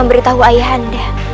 alas dia gak akan eins aside